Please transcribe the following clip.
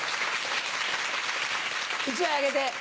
１枚あげて。